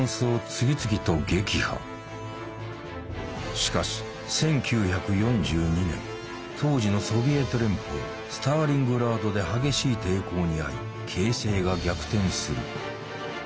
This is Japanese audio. しかし１９４２年当時のソビエト連邦スターリングラードで激しい抵抗にあい形勢が逆転する。